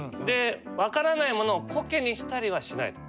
分からないものをこけにしたりはしないと。